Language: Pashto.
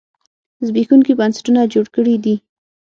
زبېښونکي بنسټونه جوړ کړي دي.